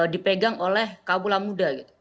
dipegang oleh kabula muda